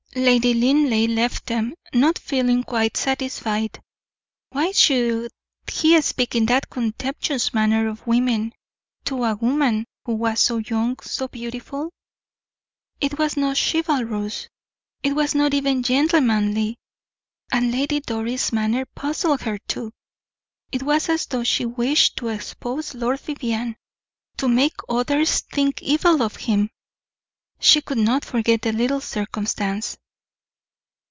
Lady Linleigh left them, not feeling quite satisfied. Why should he speak in that contemptuous manner of women, to a woman who was so young, so beautiful? It was not chivalrous it was not even gentlemanly. And Lady Doris' manner puzzled her too; it was as though she wished to expose Lord Vivianne, to make others think evil of him. She could not forget the little circumstance.